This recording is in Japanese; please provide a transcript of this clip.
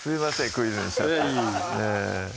クイズにしちゃっていえいえ